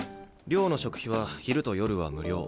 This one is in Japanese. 寮の食費は昼と夜は無料。